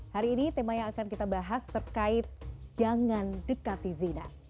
hari ini tema yang akan kita bahas terkait jangan dekati zina